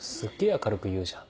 明るく言うじゃん。